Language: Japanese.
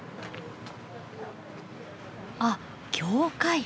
あっ教会！